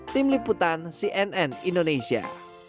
tim liputan cnn indonesia